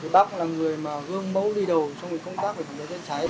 bác là người mà gương mẫu đi đầu trong công tác về phòng chế cháy